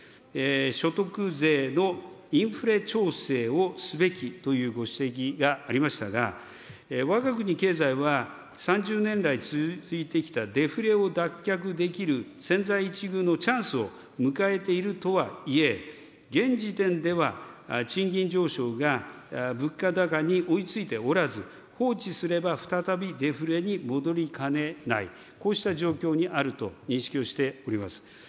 所得税のインフレ調整をすべきというご指摘がありましたが、わが国経済は、３０年来続いてきたデフレを脱却できる千載一遇のチャンスを迎えているとはいえ、現時点では賃金上昇が物価高に追いついておらず、放置すれば再びデフレに戻りかねない、こうした状況にあると認識をしております。